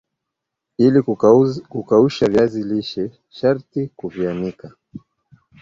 ili kukausha viazi lishe sharti kuvianika